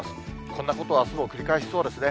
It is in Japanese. こんなことをあすも繰り返しそうですね。